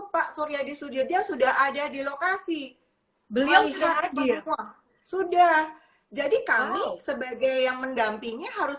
pak surya di sudirja sudah ada di lokasi beliau berada di rumah sudah jadi kami sebagai yang mendampingi harus